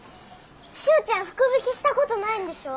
しおちゃん福引きしたことないんでしょ？